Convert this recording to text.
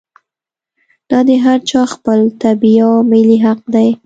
دا د هر چا خپل طبعي او ملي حق دی.